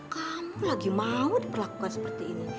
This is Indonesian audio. kamu lagi mau diperlakukan seperti ini